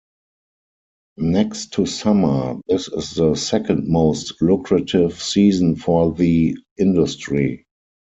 Next to summer, this is the second-most lucrative season for the industry.